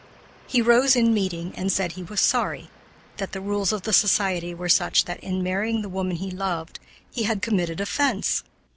He rose in meeting, and said he was "sorry" that the rules of the society were such that, in marrying the woman he loved, he had committed offense!